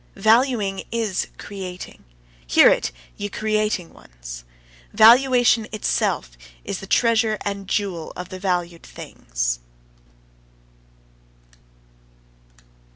Valuing is creating: hear it, ye creating ones! Valuation itself is the treasure and jewel of the valued things.